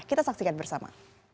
kita saksikan bersama